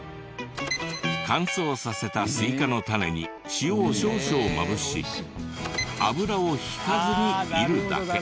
乾燥させたスイカのタネに塩を少々まぶし油を引かずに煎るだけ。